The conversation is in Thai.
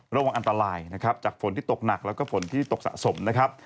ระวังอันตรายนะครับจากฝนที่ตกหนักแล้วก็ฝนที่ตกสะสมนะครับ